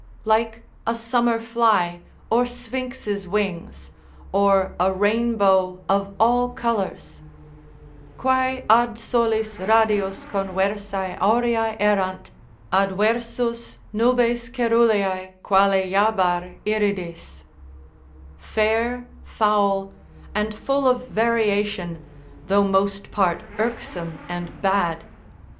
like a summer fly or sphinx's wings, or a rainbow of all colours, Quae ad solis radios conversae aureae erant, Adversus nubes ceruleae, quale jabar iridis, fair, foul, and full of variation, though most part irksome and bad.